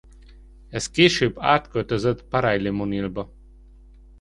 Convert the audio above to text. Ez később átköltözött Paray-le-Monialba.